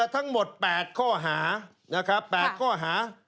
ทั้งหมด๘ข้อหา